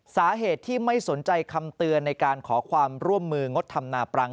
สาเหตุที่ไม่สนใจคำเตือนในการขอความร่วมมืองดทำนาปรัง